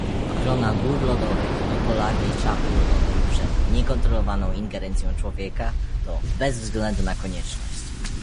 Ochrona gór lodowych i polarnej czapy lodowej przed niekontrolowaną ingerencją człowieka to bezwzględna konieczność